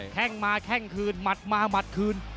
แค่งมาแข้งคืนหมัดมาหมัดคืน